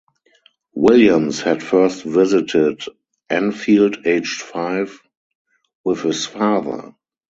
Williams had first visited Anfield aged five with his father.